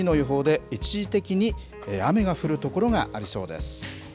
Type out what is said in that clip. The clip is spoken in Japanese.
あすは曇りの予報で一時的に雨が降るところがありそうです。